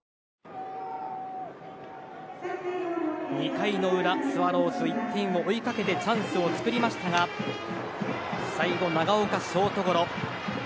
２回の裏、スワローズ１点を追いかけてチャンスを作りましたが最後、長岡のショートゴロ。